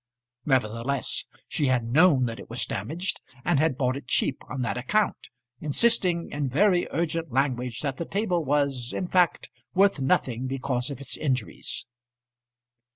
Nevertheless she had known that it was damaged, and had bought it cheap on that account, insisting in very urgent language that the table was in fact worth nothing because of its injuries.